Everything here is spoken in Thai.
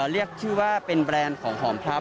เรียกชื่อว่าเป็นแบรนด์ของหอมพับ